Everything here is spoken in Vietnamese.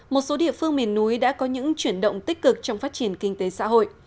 một số địa phương miền núi đã có những chuyển động tích cực trong phát triển kinh tế xã hội